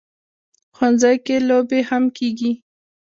ښوونځی کې لوبې هم کېږي